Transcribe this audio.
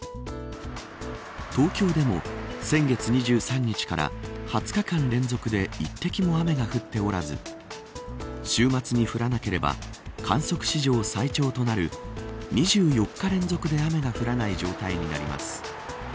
東京でも、先月２３日から２０日間連続で一滴も雨が降っておらず週末に降らなければ観測史上最長となる２４日連続で雨が降らない状態になります。